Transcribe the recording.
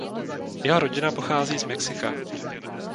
Jeho rodina pochází z Mexika.